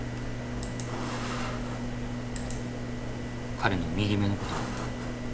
彼の右目のことは？